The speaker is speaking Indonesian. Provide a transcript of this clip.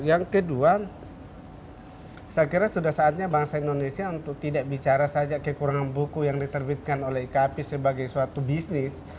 yang kedua saya kira sudah saatnya bangsa indonesia untuk tidak bicara saja kekurangan buku yang diterbitkan oleh ikp sebagai suatu bisnis